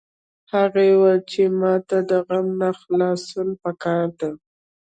هغې وویل چې ما ته د غم نه خلاصون په کار ده